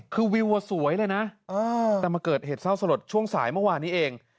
คือวิวสวยเลยนะแต่มาเกิดเหตุเศร้าสลดช่วงสายเมื่อวานนี้เอง